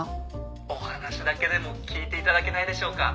お話だけでも聞いていただけないでしょうか？